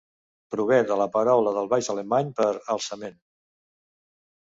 Prové de la paraula del baix alemany per "alçament".